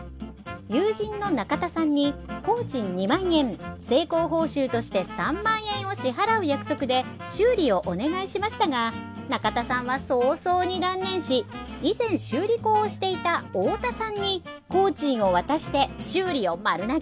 友人の中田さんに工賃２万円成功報酬として３万円を支払う約束で修理をお願いしましたが中田さんは早々に断念し以前修理工をしていた太田さんに工賃を渡して修理を丸投げ。